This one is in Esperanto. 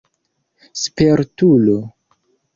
spertulo